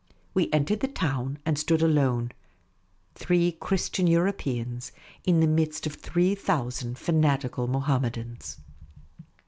We entered the town, and stood alone, three Christian Europeans, in the midst of three thousand fanatical Moham medans.